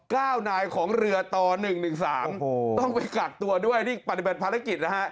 ก้าวนายของเรือต่อ๑๑๓ต้องไปกากตัวด้วยนี่ปฏิบัติภารกิจนะฮะ